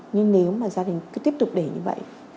nhưng nếu mà gia đình cứ tiếp tục để như vậy